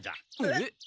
えっ！